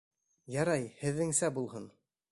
Ярай, һеҙҙеңсә булһын!